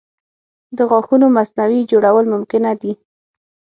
د غاښونو مصنوعي جوړول ممکنه دي.